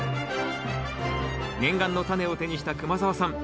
念願のタネを手にした熊澤さん